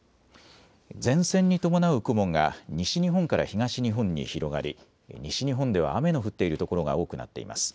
前線に伴う雲が西日本から東日本に広がり、西日本では雨の降っている所が多くなっています。